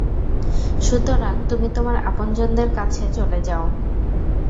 সুতরাং তুমি তোমার আপনজনদের কাছে চলে যাও।